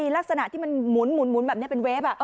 ลักษณะที่มันหมุนแบบนี้เป็นเวฟ